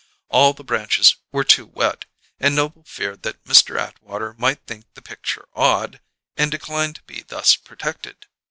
All the branches were too wet; and Noble feared that Mr. Atwater might think the picture odd and decline to be thus protected.